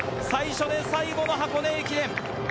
最初で最後の箱根駅伝。